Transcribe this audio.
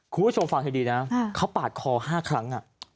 คุณผู้ชมฟังให้ดีนะเขาปาดคอ๕ครั้ง